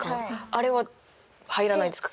あれは入らないんですか？